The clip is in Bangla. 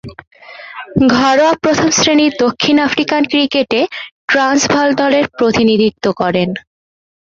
ঘরোয়া প্রথম-শ্রেণীর দক্ষিণ আফ্রিকান ক্রিকেটে ট্রান্সভাল দলের প্রতিনিধিত্ব করেন।